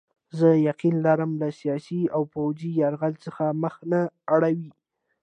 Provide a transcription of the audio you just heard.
زه یقین لرم له سیاسي او پوځي یرغل څخه مخ نه اړوي.